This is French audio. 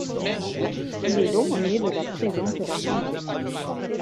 Il est l'aumônier de la prison de la Santé.